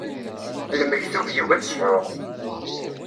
Lmektub yugi ad tt-sɛuɣ.